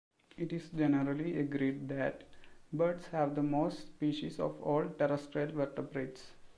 It is generally agreed that birds have the most species of all terrestrial vertebrates.